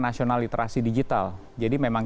nasional literasi digital jadi memang